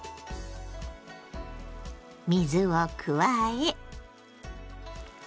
水を加え。